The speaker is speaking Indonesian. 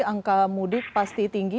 angka mudik pasti tinggi